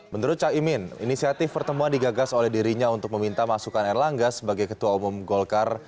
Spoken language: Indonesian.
menurut cak imin inisiatif pertemuan digagas oleh dirinya untuk meminta masukan air langga sebagai ketua umum golkar